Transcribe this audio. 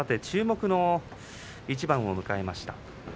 注目の一番を迎えました。